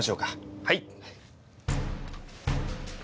はい。